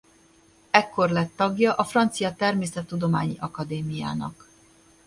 Ekkor lett tagja a Francia Természettudományi Akadémiának.